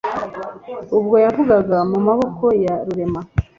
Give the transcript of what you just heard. ubgo yavaga mu maboko ya Rurema